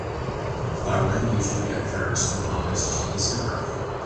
Flowering usually occurs from August to December.